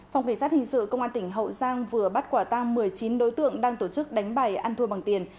phòng kỳ sát hình sự công an tỉnh hậu giang vừa bắt quả tang một mươi chín đối tượng đang tổ chức đánh bài ăn thua bằng tiền